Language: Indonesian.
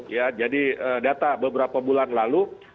ya jadi data beberapa bulan lalu